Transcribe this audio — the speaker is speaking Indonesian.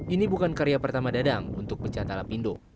ini bukan karya pertama dadang untuk pecahta lapindo